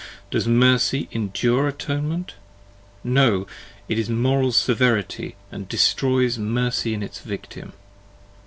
does Mercy endure Atonement? No! It is Moral Severity, & destroys Mercy in its Victim.